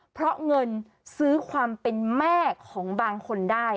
เพราะเงินซื้อความเป็นแม่ของบางคนได้